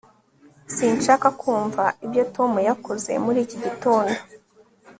sinshaka kumva ibyo tom yakoze muri iki gitondo